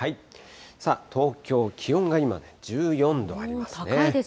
さあ、東京、気温が今、１４度ありますね。